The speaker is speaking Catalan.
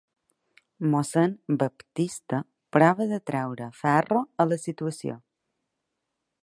Mossèn Baptista prova de treure ferro a la situació.